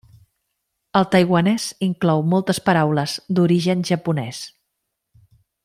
El taiwanés inclou moltes paraules d'origen japonès.